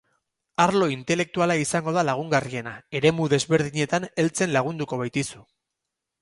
Arlo intelektuala izango da lagungarriena, eremu desberdinetan heltzen lagunduko baitizu.